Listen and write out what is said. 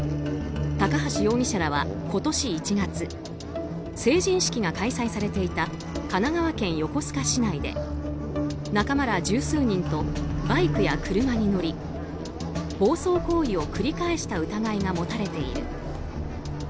高橋容疑者らは今年１月成人式が開催されていた神奈川県横須賀市内で仲間ら十数人とバイクや車に乗り暴走行為を繰り返した疑いが持たれている。